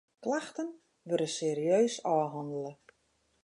Klachten wurde serieus ôfhannele.